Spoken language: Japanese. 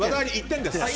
１点です。